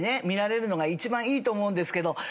見られるのが一番いいと思うんですけど。